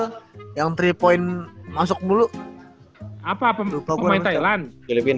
tuh yang tripoin masuk mulu apa apa mempunyai thailand